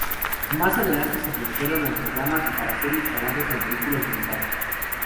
Más adelante se produjeron lanzallamas para ser instalados en vehículos blindados.